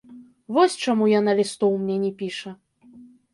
Вось чаму яна лістоў мне не піша.